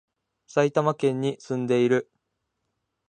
埼玉県に住んでいる